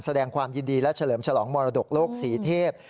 แสดงความยินดีและเฉลิมฉลองมรดกโลกศรีเทพ